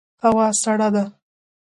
هوا سړه ده